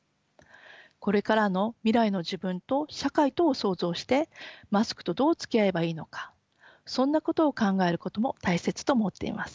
これからの未来の自分と社会とを想像してマスクとどうつきあえばいいのかそんなことを考えることも大切と思っています。